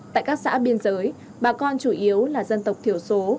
tại các xã biên giới bà con chủ yếu là dân tộc thiểu số